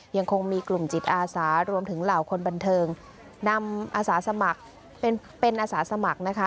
ยังคงมีกลุ่มจิตอาสารวมถึงเหล่าคนบันเทิงนำอาสาสมัครเป็นอาสาสมัครนะคะ